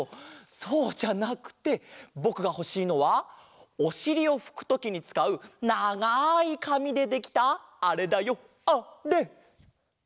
そうじゃなくてぼくがほしいのはおしりをふくときにつかうながいかみでできたあれだよあれ！